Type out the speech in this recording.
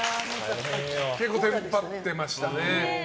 結構テンパってましたね。